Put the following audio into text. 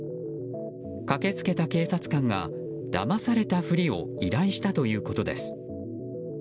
駆けつけた警察官がだまされたふりを依頼したということです。